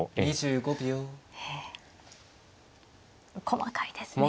細かいですね。